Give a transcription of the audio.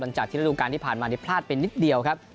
หลังจากที่ระดูการที่ผ่านมาที่พลาดไปนิดเดียวครับ